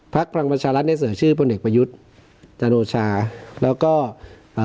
พลักษณ์พลังประชารัฐได้เสนอชื่อพลเนกประยุทธ์จานโนชาแล้วก็เอ่อ